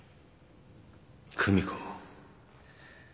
久美子。